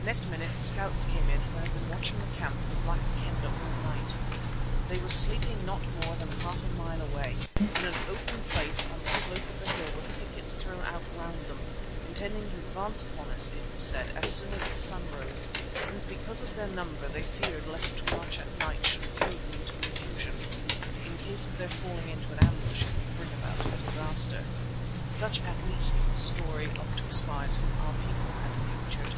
Next minute scouts came in who had been watching the camp of the Black Kendah all night. These were sleeping not more than half a mile away, in an open place on the slope of the hill with pickets thrown out round them, intending to advance upon us, it was said, as soon as the sun rose, since because of their number they feared lest to march at night should throw them into confusion and, in case of their falling into an ambush, bring about a disaster. Such at least was the story of two spies whom our people had captured.